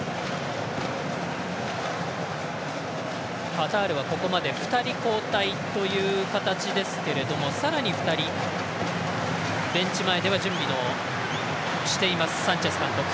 カタールはここまで２人交代という形ですけれどもさらに２人、ベンチ前では準備をしていますサンチェス監督。